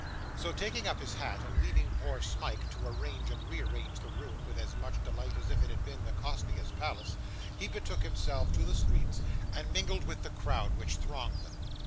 So, taking up his hat, and leaving poor Smike to arrange and rearrange the room with as much delight as if it had been the costliest palace, he betook himself to the streets, and mingled with the crowd which thronged them.